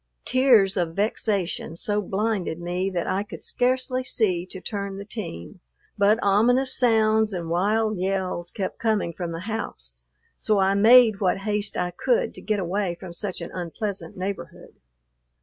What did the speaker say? Tears of vexation so blinded me that I could scarcely see to turn the team, but ominous sounds and wild yells kept coming from the house, so I made what haste I could to get away from such an unpleasant neighborhood.